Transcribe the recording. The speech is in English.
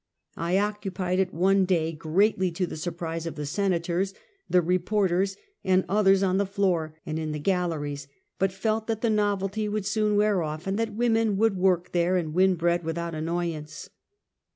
I occupied it one day, greatly to the surprise of the Senators, the reporters, and others on the floor and in the galleries; but felt that the novelty would soon wear off, and that women would work there and win bread without annoyance.